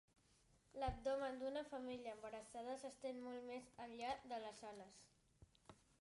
L'abdomen d'una femella embarassada s'estén molt més enllà de les ales.